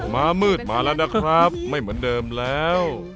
มามืดมาแล้วนะครับไม่เหมือนเดิมแล้ว